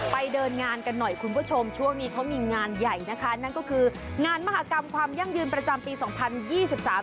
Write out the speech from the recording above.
ไปเดินงานกันหน่อยคุณผู้ชมช่วงนี้เขามีงานใหญ่นะคะนั่นก็คืองานมหากรรมความยั่งยืนประจำปีสองพันยี่สิบสาม